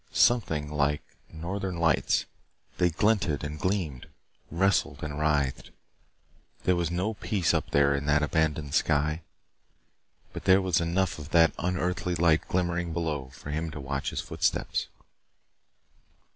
Something like northern lights, they glinted and gleamed, wrestled and writhed. There was no peace up there in that abandoned sky. But there was enough of that unearthly light glimmering below for him to watch his footsteps.